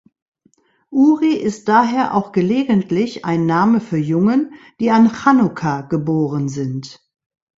Uri ist daher auch gelegentlich ein Name für Jungen, die an Chanukka geboren sind.